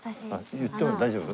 言っても大丈夫？